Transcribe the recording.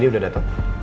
randy udah dateng